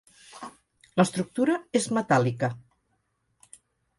L'estructura és metàl·lica.